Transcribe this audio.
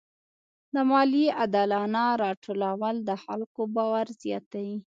د مالیې عادلانه راټولول د خلکو باور زیاتوي.